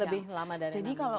lebih lama dari enam minggu